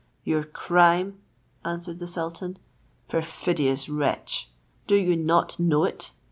"Your crime," answered the sultan; "perfidious wretch! Do you not know it?